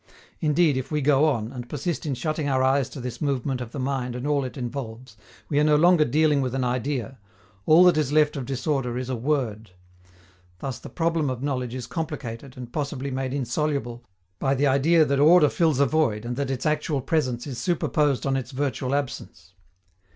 Indeed, if we go on, and persist in shutting our eyes to this movement of the mind and all it involves, we are no longer dealing with an idea; all that is left of disorder is a word. Thus the problem of knowledge is complicated, and possibly made insoluble, by the idea that order fills a void and that its actual presence is superposed on its virtual absence.